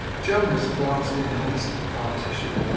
Jonas glanced in haste at the partition.